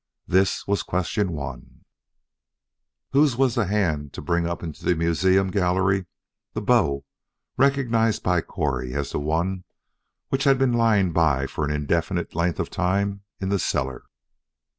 This was Question One: "'Whose was the hand to bring up into the museum gallery the bow recognized by Correy as the one which had been lying by for an indefinite length of time in the cellar?'